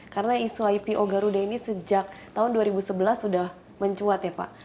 karena isu ipo garuda ini sejak tahun dua ribu sebelas sudah mencuat ya pak